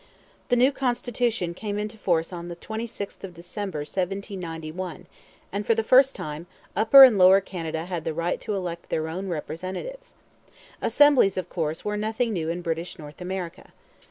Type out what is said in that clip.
The new constitution came into force on the 26th of December 1791; and, for the first time, Upper and Lower Canada had the right to elect their own representatives. Assemblies, of course, were nothing new in British North America.